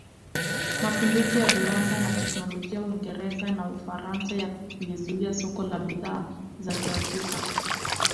Mapinduzi ya Viwanda na Teknolojia Uingereza na Ufaransa yalizua soko la bidhaa za Kiafrika